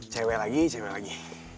cewek lagi cewek lagi